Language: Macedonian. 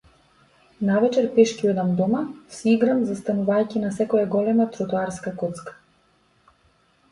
Навечер пешки одам дома, си играм застанувајќи на секоја голема тротоарска коцка.